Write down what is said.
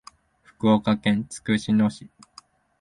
福岡県筑紫野市